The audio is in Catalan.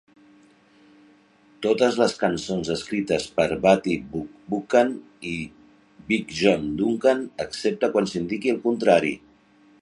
Totes les cançons escrites per Wattie Buchan i Big John Duncan, excepte quan s'indiqui el contrari.